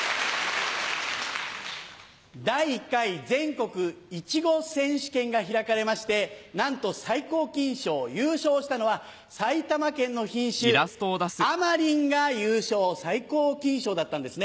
第１回全国いちご選手権が開かれましてなんと最高金賞優勝したのは埼玉県の品種「あまりん」が優勝最高金賞だったんですね。